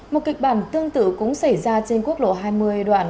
một kịch bản tương tự cũng xảy ra trên quốc lộ hai mươi đoạn